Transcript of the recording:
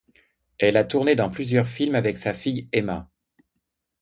Elle a tourné dans plusieurs films avec sa fille Emma.